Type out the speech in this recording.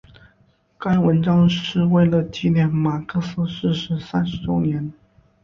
该文章是为了纪念马克思逝世三十周年。